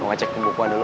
mau ngecek pembukuan dulu